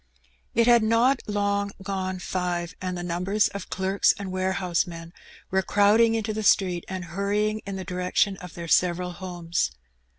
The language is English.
It had not long gone five, and numbers of clerks and warehouse men were crowding into the street and hurrying in the direction of their several homes.